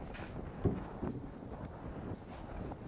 Hal Kelly took over for the next few years.